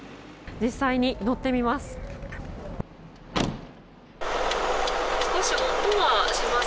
実際に乗ってみます。